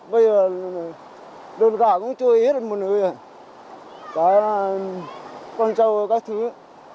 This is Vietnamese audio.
bây giờ đường rã cũng trôi